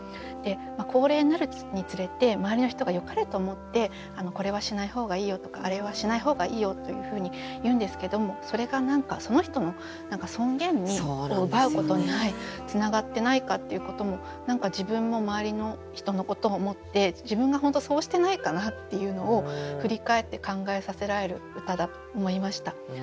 高齢になるにつれて周りの人がよかれと思ってこれはしない方がいいよとかあれはしない方がいいよというふうに言うんですけどもそれが何かその人の尊厳を奪うことにつながってないかっていうことも自分も周りの人のことを思って自分が本当そうしてないかなっていうのを振り返って考えさせられる歌だと思いました。